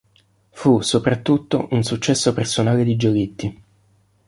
Fu, soprattutto, un successo personale di Giolitti.